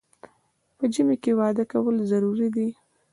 په ژمي کې واده کول ضروري دي